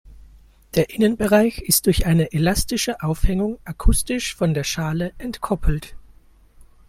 Der Innenbereich ist durch eine elastische Aufhängung akustisch von der Schale entkoppelt.